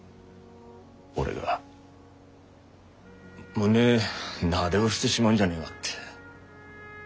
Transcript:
俺が胸なで下ろしてしまうんじゃねえがって。